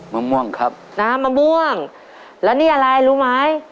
มะม่วงครับน้ำมะม่วงแล้วนี่อะไรรู้ไหม